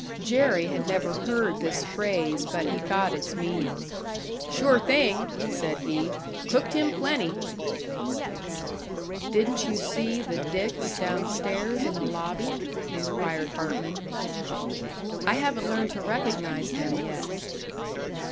Jerry had never heard this phrase, but he got its meaning. "Sure thing!" said he. "Cooked him plenty!" "Didn't you see the 'dicks' down stairs in the lobby?" inquired Hartman. "I haven't learned to recognise them yet."